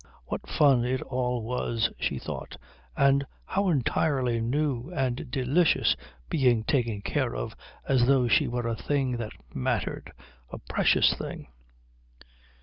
What fun it all was, she thought, and how entirely new and delicious being taken care of as though she were a thing that mattered, a precious thing!